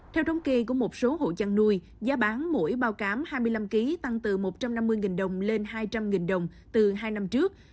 theo đồng kỳ của một số hộ chăn nuôi giá bán mỗi bao cám hai mươi năm kg tăng từ một trăm năm mươi đồng lên hai trăm linh đồng từ hai năm trước